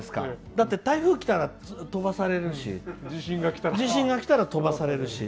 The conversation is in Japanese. だって、台風がきたら飛ばされるし地震がきたら飛ばされるし。